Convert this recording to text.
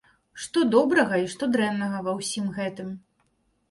Што добрага і што дрэннага ва ўсім гэтым?